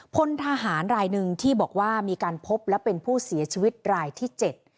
พลทหารรายหนึ่งที่บอกว่ามีการพบและเป็นผู้เสียชีวิตรายที่เจ็ด